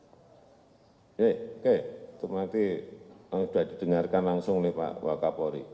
oke untuk nanti sudah didengarkan langsung nih pak wak kapolri